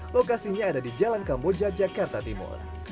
lokasinya ada di jalan kamboja jakarta timur